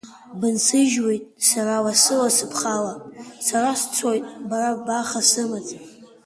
Бынсыжьуеит сара лассы-лассы бхала, сара сцоит, бара баха сымаӡам.